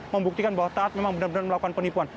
membuktikan bahwa taat memang benar benar melakukan penipuan